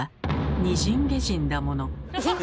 「に人げ人」だもの。